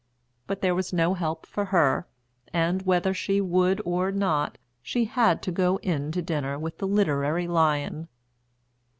But there was no help for her, and, whether she would or not, she had to go in to dinner with the literary lion.